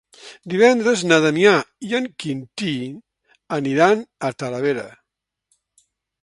Divendres na Damià i en Quintí aniran a Talavera.